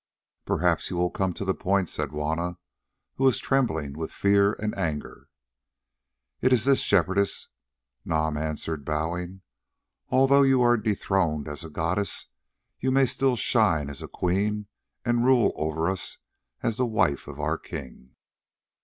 "Perhaps you will come to the point," said Juanna, who was trembling with fear and anger. "It is this, Shepherdess," Nam answered bowing; "although you are dethroned as a goddess, you may still shine as a queen and rule over us as the wife of our king."